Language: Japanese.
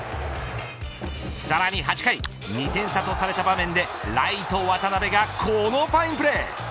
さらに８回２点差とされた場面でライト渡邉がこのファインプレー。